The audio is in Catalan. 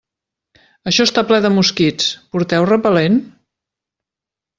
Això està ple de mosquits, porteu repel·lent?